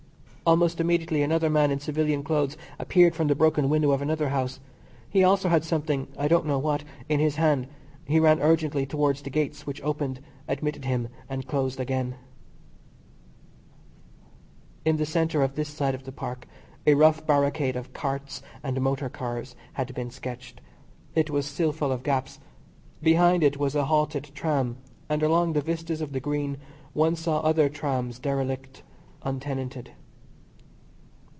Almost immediately another man in civilian clothes appeared from the broken window of another house. He also had something (I don't know what) in his hand. He ran urgently towards the gates, which opened, admitted him, and closed again. In the centre of this side of the Park a rough barricade of carts and motor cars had been sketched. It was still full of gaps. Behind it was a halted tram, and along the vistas of the Green one saw other trams derelict, untenanted.